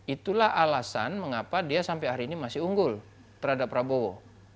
itulah alasan mengapa dia sampai hari ini masih unggul terhadap prabowo